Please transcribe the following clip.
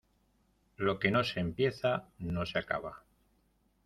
Lo que no se empieza, no se acaba.